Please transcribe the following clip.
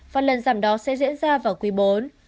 và lần giảm đó sẽ diễn ra vào quý bốn